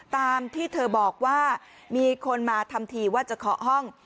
ตามที่เธอบอกว่ามีคนมาทำทีว่าจะเคาะห้อง